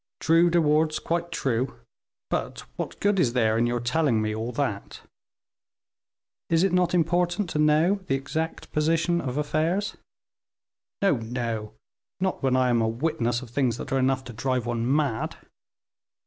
"True, De Wardes, quite true; but what good is there in your telling me all that?" "Is it not important to know the exact position of affairs?" "No, no; not when I am a witness of things that are enough to drive one mad."